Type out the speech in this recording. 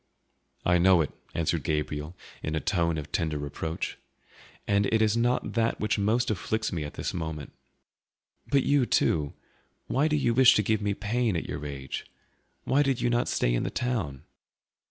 "I know it," answered Gabriel in a tone of tender reproach, "and it is not that which most afflicts me at this moment. But you, too, why do you wish to give me pain, at your age? Why did you not stay in the town?"